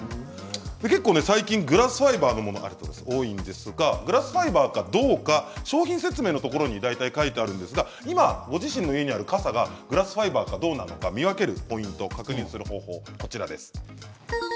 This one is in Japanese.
結構、最近グラスファイバーのものが多いんですがグラスファイバーかどうか商品説明のところに大体、書いてあるんですが今ご自身の家にある傘がグラスファイバーなのかどうか見分ける方法、確認する方法です。